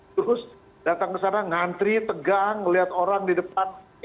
terus datang ke sana ngantri tegang melihat orang di depan